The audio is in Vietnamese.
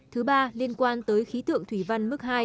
thứ ba liên quan tới khí tượng thủy văn mức hai